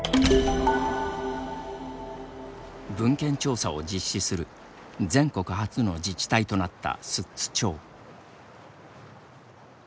文献調査を実施する全国初の自治体となった寿都町。